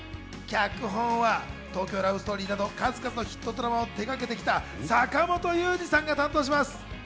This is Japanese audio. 脚本は『東京ラブストーリー』など数々のヒットドラマを手がけてきた坂元裕二さんが担当します。